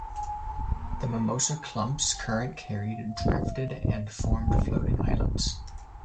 The mimosa clumps, current-carried, drifted and formed floating islands.